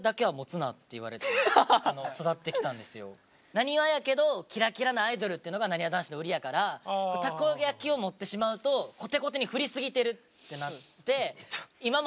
なにわやけどキラキラなアイドルっていうのがなにわ男子の売りやからたこ焼きを持ってしまうとコテコテに振りすぎてるってなって。